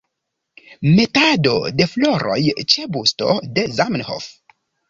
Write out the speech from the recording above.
Metado de floroj ĉe busto de Zamenhof.